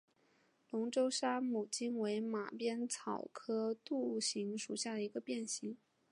龙州山牡荆为马鞭草科牡荆属下的一个变型。